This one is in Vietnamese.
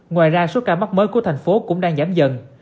ngoài ra số ca mắc mới của thành phố cũng đang giảm dần